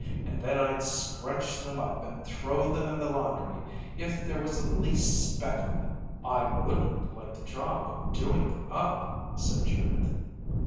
And then I'd scrunch them up and throw them in the laundry if there was the least speck on them." "I wouldn't like the job of doing them up," said Judith.